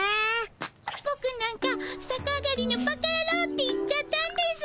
ボクなんか「さか上がりのバカやろう」って言っちゃったんです。